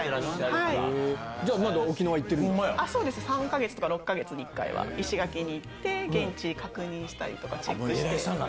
３か月とか６か月に１回は石垣に行って現地確認したりチェックして。